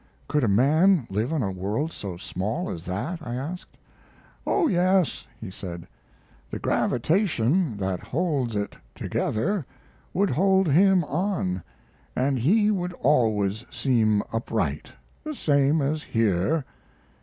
"Could a man live on a world so small as that?" I asked. "Oh yes," he said. "The gravitation that holds it together would hold him on, and he would always seem upright, the same as here.